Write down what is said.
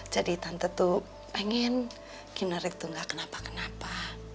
jadi tante tuh pengen kinar itu gak kenapa kenapa